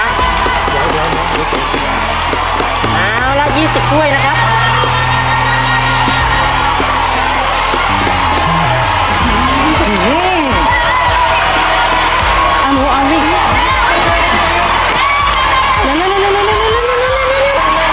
เอาล่ะยี่สิบก้วยนะครับ